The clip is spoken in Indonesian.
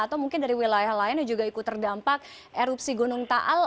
atau mungkin dari wilayah lain yang juga ikut terdampak erupsi gunung taal